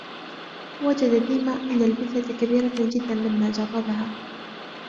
وجد ديما أن البذلة كبيرة جدا لمّا جربها.